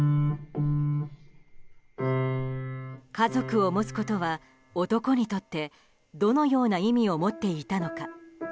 家族を持つことは男にとってどのような意味を持っていたのか。